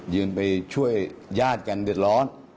ยืนไปช่วยญาติกันเดือดร้อน